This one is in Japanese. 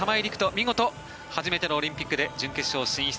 見事、初めてのオリンピックで準決勝進出。